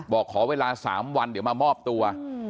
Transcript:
บอกขอเวลา๓วันเดี๋ยวมามอบตัว